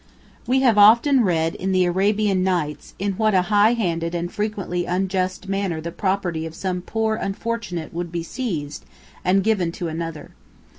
We have often read in the "Arabian Nights" in what a high handed and frequently unjust manner the property of some poor unfortunate would be seized and given to another.